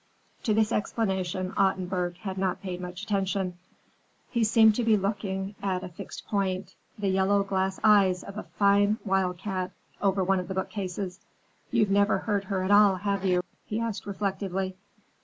To this explanation Ottenburg had not paid much attention. He seemed to be looking at a fixed point: the yellow glass eyes of a fine wildcat over one of the bookcases. "You've never heard her at all, have you?" he asked reflectively.